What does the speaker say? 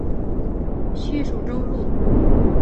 属叙州路。